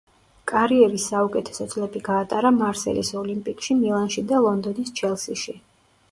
კარიერის საუკეთესო წლები გაატარა მარსელის „ოლიმპიკში“, „მილანში“ და ლონდონის „ჩელსიში“.